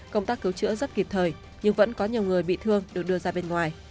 công tác cứu chữa rất kịp thời nhưng vẫn có nhiều người bị thương được đưa ra bên ngoài